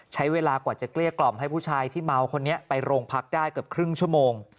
ใช้เวลากว่าจะเกลี้ยกล่อมให้ผู้ชายที่เมาคนนี้ไปโรงพักได้เกือบครึ่งชั่วโมง